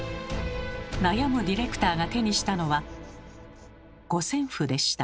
悩むディレクターが手にしたのは五線譜でした。